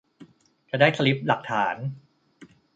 จะได้สลิปหลักฐาน